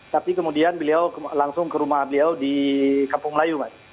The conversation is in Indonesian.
tapi kemudian beliau langsung ke rumah beliau di kampung melayu mas